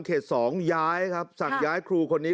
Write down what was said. ๒ย้ายครับสั่งย้ายครูคนนี้